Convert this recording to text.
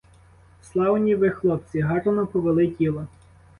Славні ви хлопці, гарно повели діло.